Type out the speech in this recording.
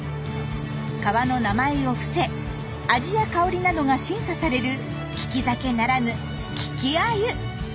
川の名前を伏せ味や香りなどが審査される「利き酒」ならぬ「利きアユ」。